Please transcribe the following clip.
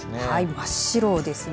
真っ白ですね。